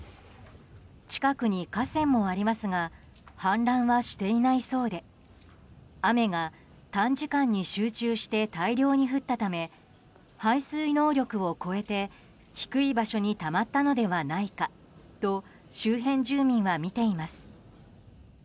近くに河川もありますが氾濫はしていないそうで雨が短時間に集中して大量に降ったため排水能力を超えて、低い場所にたまったのではないかと周辺住民は見ています。